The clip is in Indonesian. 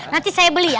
nanti saya beli ya